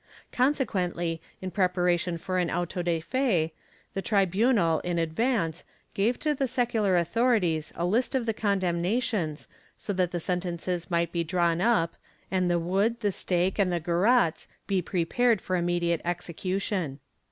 ^ Consequently, in prepara tion for an auto de fe, the tribunal, in advance, gave to the secular authorities a list of the condemnations so that the sentences might be drawn up and the wood, the stake and the garrotes be prepared for immediate execution.